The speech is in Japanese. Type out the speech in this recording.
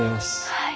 はい。